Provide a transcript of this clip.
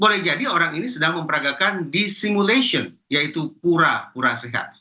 boleh jadi orang ini sedang memperagakan di simulation yaitu pura pura sehat